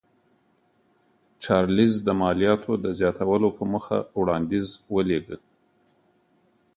چارلېز د مالیاتو د زیاتولو په موخه وړاندیز ولېږه.